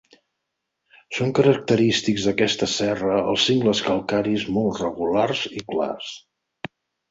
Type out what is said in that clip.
Són característics d'aquesta serra els cingles calcaris molt regulars i clars.